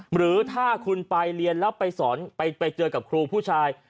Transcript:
หรือถ้าคุณไปเรียนแล้วไปสอนไปเจอกับครูผู้ชาย